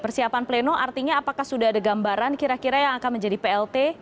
persiapan pleno artinya apakah sudah ada gambaran kira kira yang akan menjadi plt